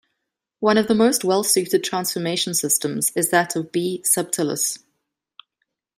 One of the most well studied transformation systems is that of "B. subtilis".